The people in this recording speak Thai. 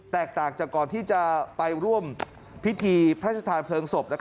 ต่างจากก่อนที่จะไปร่วมพิธีพระชธานเพลิงศพ